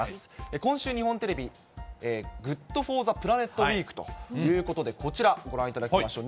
今週、日本テレビ、ＧｏｏｄＦｏｒｔｈｅＰｌａｎｅｔウイークということで、こちら、ご覧いただきましょう。